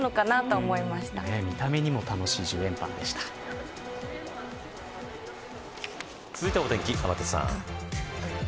見た目にも楽しい続いてはお天気、天達さん。